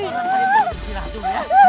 jangan sampai dibunuh di jirah dulu ya